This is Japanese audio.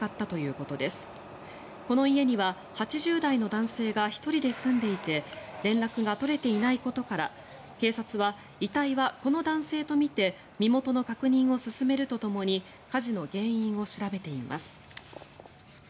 この家には８０代の男性が１人で住んでいて連絡が取れていないことから警察は、遺体はこの男性とみて身元の確認を進めるとともに火事の原因を調べています。